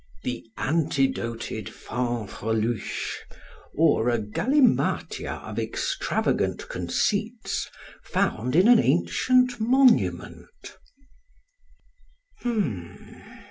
The Antidoted Fanfreluches: or, a Galimatia of extravagant Conceits found in an ancient Monument.